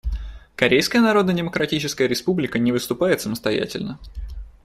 Корейская Народно-Демократическая Республика не выступает самостоятельно.